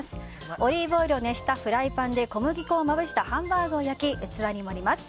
オリーブオイルを熱したフライパンで小麦粉をまぶしたハンバーグを焼き、器に盛ります。